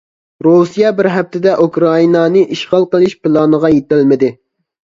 رۇسىيە بىر ھەپتىدە ئۇكرائىنانى ئىشغال قىلىش پىلانىغا يېتەلمىدى.